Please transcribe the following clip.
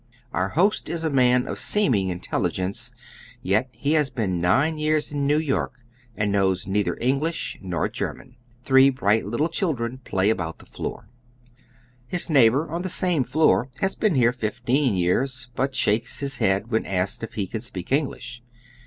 Our host is a man of seem ing intelligence, yet he has been nine years in Kew York and knows neither English nor German, Three bright little children play about the floor. oy Google THE BOHEMIANS. 141 His neighbor on the same floor has been here fifteen years, but shakes his head when asked if he can speak English.